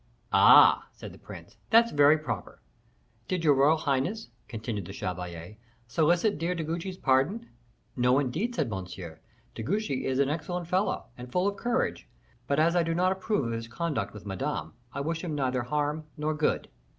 "Ah!" said the prince, "that's very proper." "Did your royal highness," continued the chevalier, "solicit dear De Guiche's pardon?" "No, indeed," said Monsieur. "De Guiche is an excellent fellow, and full of courage; but as I do not approve of his conduct with Madame, I wish him neither harm nor good."